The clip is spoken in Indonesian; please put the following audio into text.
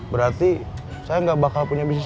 berarti saya gak bakal punya bisnis baru